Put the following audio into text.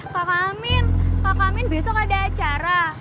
kak amin kak amin besok ada acara